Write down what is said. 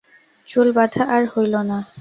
চুল বাঁধা আর হইল না।